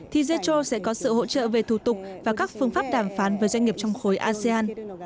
thì zetro sẽ có sự hỗ trợ về thủ tục và các phương pháp đàm phán với doanh nghiệp trong khối asean